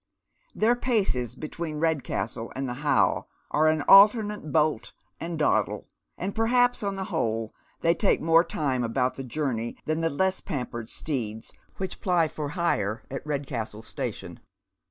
Their paces between Red castle and the How are an alternate bolt and dawdle, and perhaps, on the whole, they take more time about the journey than the less pampered steeds which ply for hire at Redcastle station.